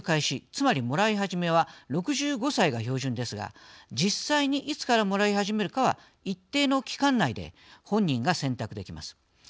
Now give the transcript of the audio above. つまり、もらい始めは６５歳が標準ですが実際にいつからもらい始めるかは一定の期間内で本人が選択できます。